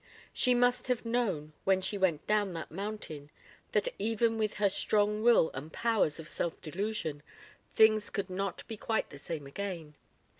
She must have known when she went down that mountain that even with her strong will and powers of self delusion, things could not be quite the same again.